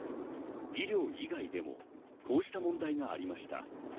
医療以外でもこうした問題がありました。